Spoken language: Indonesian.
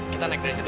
kita naik dari situ